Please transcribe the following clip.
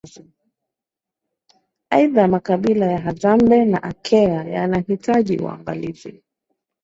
Aidha makabila ya Hadzabe na Akea yanahitaji uangalizi